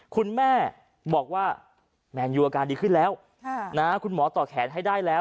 คุณแม่บอกว่าแมนยูอาการดีขึ้นแล้วคุณหมอต่อแขนให้ได้แล้ว